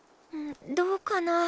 どうかな？